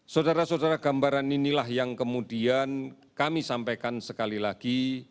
saudara saudara gambaran inilah yang kemudian kami sampaikan sekali lagi